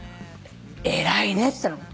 偉いねっつったの。